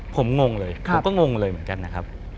ผมงงเลยผมก็งงเลยเหมือนกันนะครับ